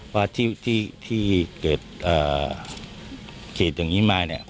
ว่าที่ที่เกิดเกษตร์อย่างนี้มาเนี่ย